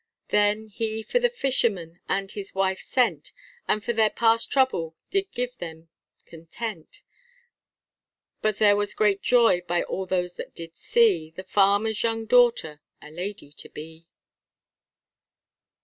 Then he for the fisherman and his wife sent, And for their past trouble did give them content, But there was great joy by all those that did see, The farmer's young daughter a lady to be.